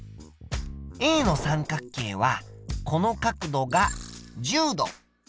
Ａの三角形はこの角度が１０度。